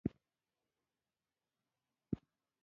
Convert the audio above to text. داسې خلک کوم چې.